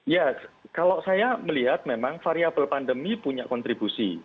ya kalau saya melihat memang variable pandemi punya kontribusi